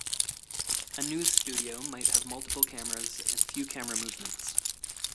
A news studio might have multiple cameras and few camera movements.